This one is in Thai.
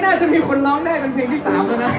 เค้าไม่รักเธอแล้วจะไปยืดทำไม